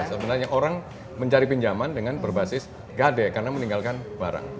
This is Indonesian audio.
sebenarnya orang mencari pinjaman dengan berbasis gade karena meninggalkan barang